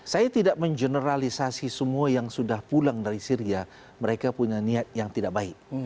saya tidak mengeneralisasi semua yang sudah pulang dari syria mereka punya niat yang tidak baik